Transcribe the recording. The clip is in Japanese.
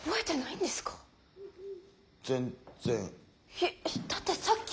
えだってさっき。